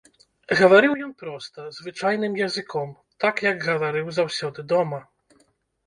Гаварыў ён проста, звычайным языком, так, як гаварыў заўсёды дома.